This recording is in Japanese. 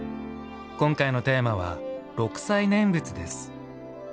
今回のテーマは、六斎念仏です。